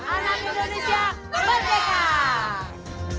anak indonesia berdekat